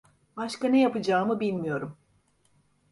Başka ne yapacağımı bilmiyorum.